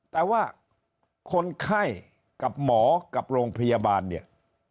แต่ว่าคนไข้กับหมอกับโรงพยาบาลเนี่ย